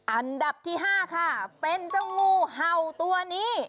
อันดับที่๕ค่ะเป็นเจ้างูเห่าตัวนี้